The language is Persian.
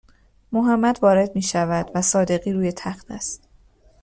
محمد وارد میشود و صادقی روی تخت است